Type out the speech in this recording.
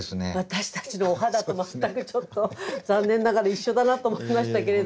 私たちのお肌と全くちょっと残念ながら一緒だなと思いましたけれども。